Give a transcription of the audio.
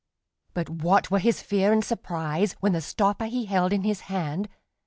_] But what were his fear and surprise When the stopper he held in his hand!